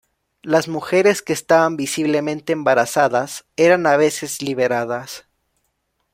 Las mujeres que estaban visiblemente embarazadas eran a veces liberadas.